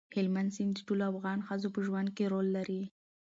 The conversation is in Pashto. هلمند سیند د ټولو افغان ښځو په ژوند کې رول لري.